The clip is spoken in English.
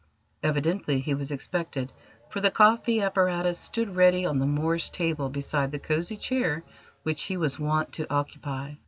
Evidently he was expected, for the coffee apparatus stood ready on the Moorish table beside the cosy chair which he was wont to occupy.